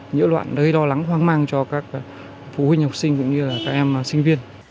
những loạn đầy lo lắng hoang mang cho các phụ huynh học sinh cũng như các em sinh viên